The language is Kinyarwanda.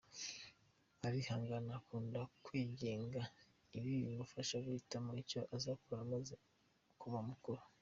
Arihangana, akunda kwigenga, ibi bimufasha guhitamo icyo azakora amaze kuba mukuru.